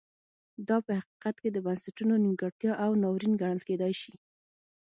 دا په حقیقت کې د بنسټونو نیمګړتیا او ناورین ګڼل کېدای شي.